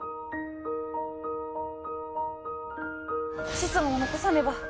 子孫を残さねば！